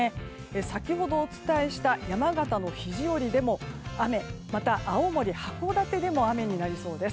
先ほどお伝えした山形の肘折でも雨また青森、函館でも雨になりそうです。